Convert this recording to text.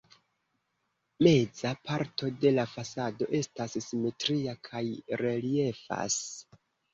Meza parto de la fasado estas simetria kaj reliefas.